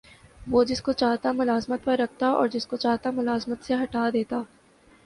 وہ جس کو چاہتا ملازمت پر رکھتا اور جس کو چاہتا ملازمت سے ہٹا دیتا